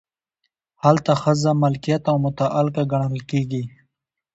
هلته ښځه ملکیت او متعلقه ګڼل کیږي.